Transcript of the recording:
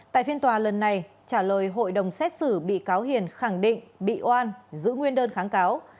tại phiên tòa lần này trả lời hội đồng xét xử bị cáo hiền khẳng định bị oan giữ nguyên đơn kháng cáo